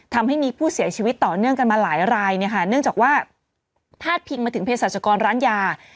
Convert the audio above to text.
ทำให้มีผู้เสียชีวิตต่อเนื่องกันมาหลายรายเนี่ยค่ะเนื่องจากว่าพาดพิงมาถึงเพศรัชกรร้านยา